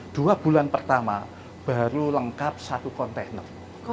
dua bulan pertama baru lengkap satu kontainer